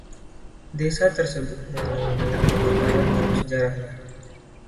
Desa tersebut mengalami banyak kebakaran dalam sejarahnya.